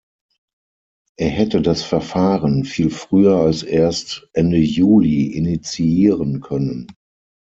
Er hätte das Verfahren viel früher als erst Ende Juli initiieren können.